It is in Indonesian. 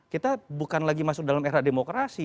kita bukan lagi masuk dalam era demokrasi